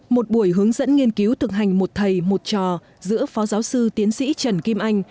một buổi hướng dẫn nghiên cứu thực hành một thầy một trò giữa phó giáo sư tiến sĩ trần kim anh